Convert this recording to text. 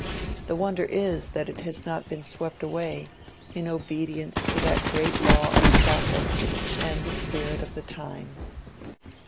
The wonder is that it has not been swept away, in obedience to the great law of traffic and the spirit of the time.